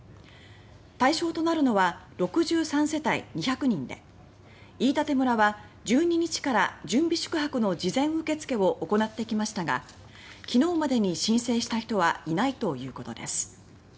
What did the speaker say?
対象となるのは６３世帯２００人で飯舘村は１２日から準備宿泊の事前受付を行ってきましたが昨日までに申請した人はいないということです。